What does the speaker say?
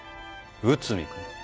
内海君。